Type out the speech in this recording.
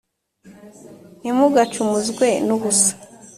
Ntimugacumuzwe n’ubusa